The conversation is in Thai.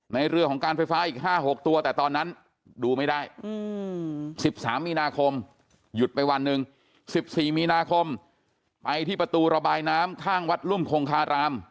เรือของการไฟฟ้าอีก๕๖ตัวแต่ตอนนั้นดูไม่ได้๑๓มีนาคมหยุดไปวันหนึ่ง๑๔มีนาคมไปที่ประตูระบายน้ำข้างวัดรุ่มคงคาราม